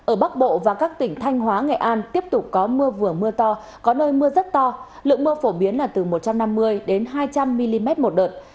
ở bắc bộ và các tỉnh thanh hóa nghệ an tiếp tục có mưa vừa mưa to có nơi mưa rất to lượng mưa phổ biến là từ một trăm năm mươi đến hai trăm linh mm một đợt